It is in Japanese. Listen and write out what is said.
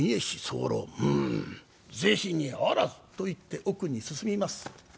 「うむ是非にあらず」と言って奥に進みます。